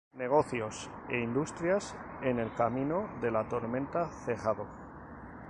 Negocios e industrias en el camino de la tormenta cerrado.